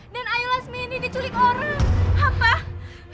dan ayolah semen ini diculik orang